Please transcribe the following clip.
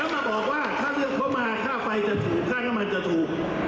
มาบอกว่าถ้าเลือกเขามาค่าไฟจะถูกค่าน้ำมันจะถูก